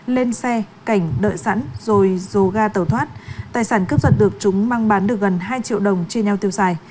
lên xe cảnh đợi sẵn rồi dồ ga tàu thoát tài sản cướp giật được chúng mang bán được gần hai triệu đồng chia nhau tiêu xài